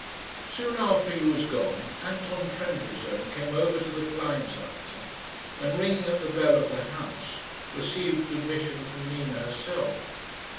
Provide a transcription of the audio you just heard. Soon after he was gone, Anton Trendellsohn came over to the Kleinseite, and, ringing at the bell of the house, received admission from Nina herself.